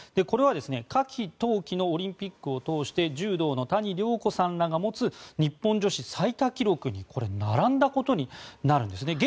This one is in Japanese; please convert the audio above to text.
これは夏季・冬季のオリンピックを通して柔道の谷亮子さんらが持つ日本女子最多記録に並んだことになるんです。